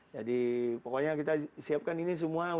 jadi pokoknya kita siapkan ini semua